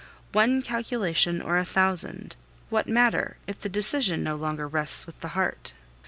One calculation or a thousand, what matter, if the decision no longer rests with the heart?